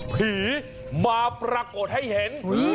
ผีมาปรากฏให้เห็น